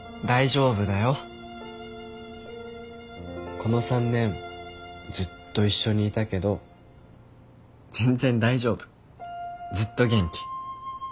この３年ずっと一緒にいたけど全然大丈夫ずっと元気。